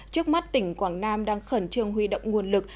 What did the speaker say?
trước mắt tỉnh quảng nam đang khẩn trương huy động nguồn lực